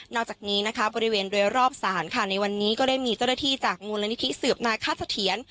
จากนี้นะคะบริเวณโดยรอบศาลค่ะในวันนี้ก็ได้มีเจ้าหน้าที่จากมูลนิธิสืบนาคาสะเทียน